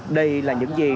đây là những gì